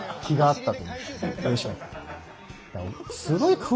すごい！